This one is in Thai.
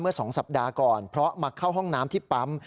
๒สัปดาห์ก่อนเพราะมาเข้าห้องน้ำที่ปั๊ม